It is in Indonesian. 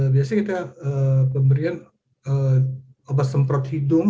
biasanya kita pemberian obat semprot hidung